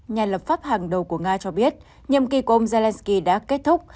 nhà lập pháp hàng đầu của nga cho biết nhiệm kỳ của ông zelensky đã kết thúc